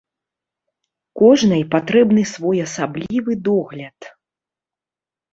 Кожнай патрэбны свой асаблівы догляд.